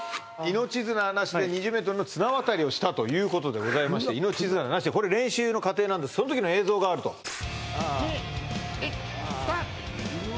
命綱なしで２０メートルの綱のぼりをしたということでございまして命綱なしでこれ練習の過程なんでそのときの映像があると・３２１